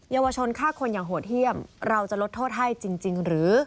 เยาวชนฆ่าคนอย่างโหดเยี่ยมเราจะลดโทษให้จริงหรือ